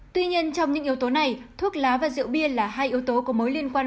tuy nhiên trong những yếu tố này thuốc lá và rượu bia là hai yếu tố có mối liên quan